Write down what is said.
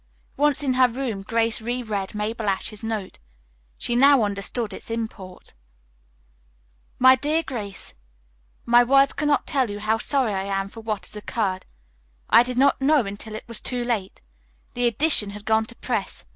Once in her room, Grace reread Mabel Ashe's note. She now understood its import. "MY DEAR GRACE: "Words cannot tell you how sorry I am for what has occurred. I did not know until it was too late. The edition had gone to press.